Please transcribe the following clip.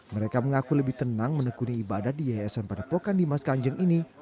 mereka mengaku lebih tenang menekuni ibadah di yayasan padepokan dimas kanjeng ini